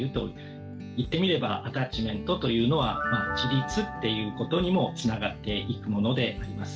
言ってみればアタッチメントというのは自立っていうことにもつながっていくものであります。